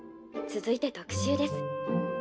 「続いて特集です。